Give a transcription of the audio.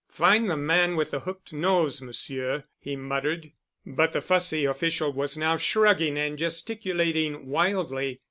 "Find the man with the hooked nose, Monsieur," he muttered. But the fussy official was now shrugging and gesticulating wildly.